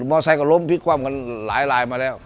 มอเซตเป็นเรื่องรสล้มหลายมาแล้ว